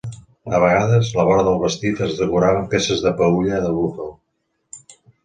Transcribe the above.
A vegades, la vora del vestit es decorava amb peces de peülla de búfal.